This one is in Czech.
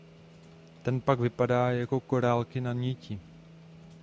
Ten pak vypadá jako korálky na niti.